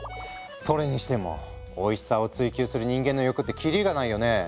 それにしてもおいしさを追求する人間の欲って切りがないよね。